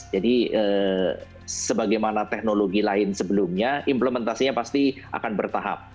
jadi sebagaimana teknologi lain sebelumnya implementasinya pasti akan bertahap